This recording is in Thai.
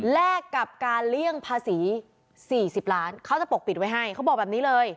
แลกกับการเลี่ยงภาษี๔๐ล้านเขาจะปกปิดไว้ให้เขาบอกแบบนี้เลย